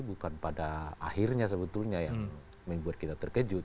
bukan pada akhirnya sebetulnya yang membuat kita terkejut